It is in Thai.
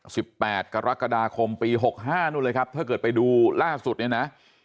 สิบแปดกรกฎาคมปีหกห้านู่นเลยครับถ้าเกิดไปดูล่าสุดเนี่ยนะ